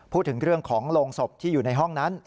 พูดถึงเรื่องของโรงศพที่อยู่ในห้องนั้น